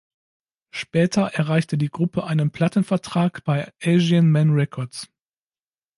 Später erreichte die Gruppe einen Plattenvertrag bei Asian Man Records.